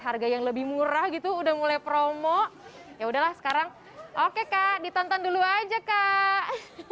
harga yang lebih murah gitu udah mulai promo ya udahlah sekarang oke kak ditonton dulu aja kak